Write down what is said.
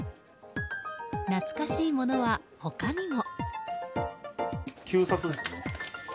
懐かしいものは他にも。